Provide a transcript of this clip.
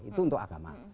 itu untuk agama